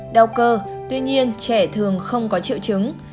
đau cơ tuy nhiên trẻ thường không có triệu chứng